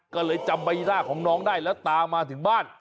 ก็เลยจำใบหน้าของน้องได้แล้วตามมาถึงบ้าน